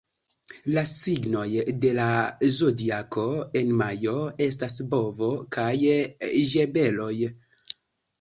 La signoj de la Zodiako en majo estas Bovo kaj Ĝemeloj.